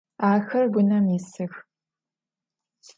Ахэр унэм исых.